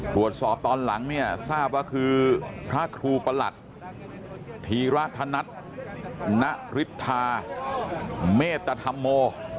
ตรวจสอบตอนหลังเนี่ยทราบว่าคือพระครูประหลัดธีราธนัตนริปทาเมตตธรรมโฮ